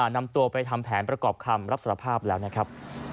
นำตัวไปทำแผนประกอบคำรับสารภาพแล้วนะครับ